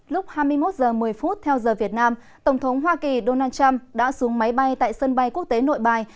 lúc hai mươi một h một mươi theo giờ việt nam tổng thống hoa kỳ donald trump đã xuống máy bay tại sân bay quốc tế nội bài